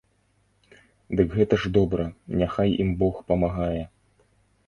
Дык гэта ж добра, няхай ім бог памагае.